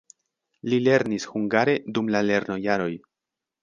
Li lernis hungare dum la lernojaroj.